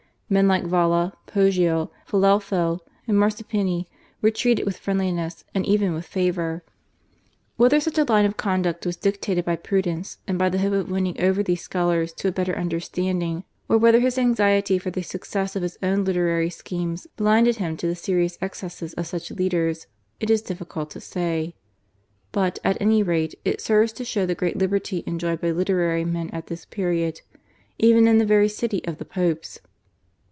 Men like Valla, Poggio, Filelfo, and Marsuppini were treated with friendliness and even with favour. Whether such a line of conduct was dictated by prudence and by the hope of winning over these scholars to a better understanding, or whether his anxiety for the success of his own literary schemes blinded him to the serious excesses of such leaders it is difficult to say; but, at any rate, it serves to show the great liberty enjoyed by literary men at this period even in the very city of the Popes.